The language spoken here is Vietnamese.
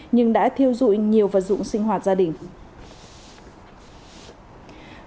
nhưng đã thiêu dụi nhiều vật dụng sinh hoạt gia đình